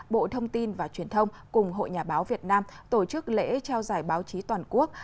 bộ thông tin và truyền thông cùng hội nhà báo việt nam tổ chức lễ trao giải báo chí toàn quốc